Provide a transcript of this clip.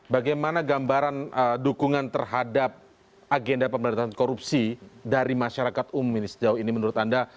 bagaimana gambaran dukungan terhadap agenda pemerintahan korupsi dari masyarakat umum ini sejauh ini menurut anda